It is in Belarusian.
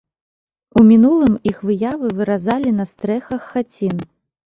У мінулым іх выявы выразалі на стрэхах хацін.